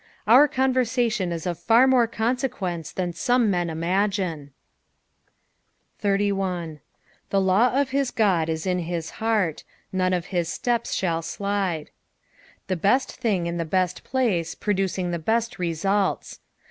Our conversation is of far more consequence than some men imagine. 81. " The law of hit God it in ku heart; none of hit itept sAoU lUde." The best thing in the best place, producing the best results.